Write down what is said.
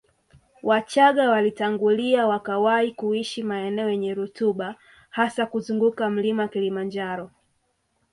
Wachaga walitangulia wakawahi kuishi maeneo yenye rutuba hasa kuzunguka mlima Kilimanjaro